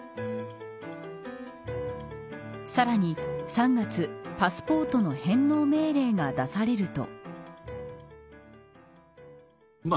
さらに３月パスポートの返納命令が出されると。